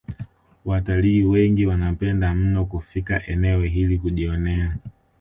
Watalii wengi wanapenda mno kufika eneo hili kujionea